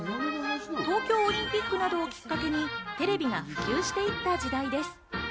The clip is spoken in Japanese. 東京オリンピックなどをきっかけに、テレビが普及していった時代です。